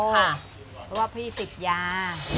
เพราะว่าพี่ติดยา